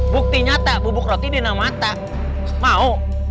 buktinya tak bubuk roti di nama tak mau